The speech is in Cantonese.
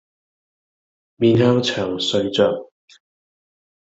面向牆睡着